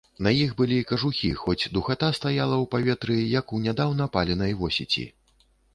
На іх былі кажухі, хоць духата стаяла ў паветры, як у нядаўна паленай восеці.